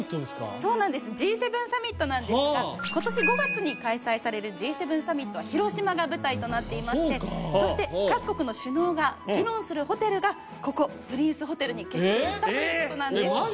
そうなんですＧ７サミットなんですが今年５月に開催されるＧ７サミットは広島が舞台となっていましてそして各国の首脳が議論するホテルがここプリンスホテルに決定したということなんですえっマジ！？